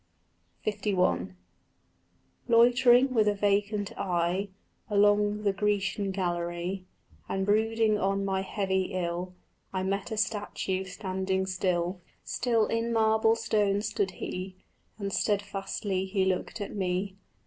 LI Loitering with a vacant eye Along the Grecian gallery, And brooding on my heavy ill, I met a statue standing still. Still in marble stone stood he, And stedfastly he looked at me.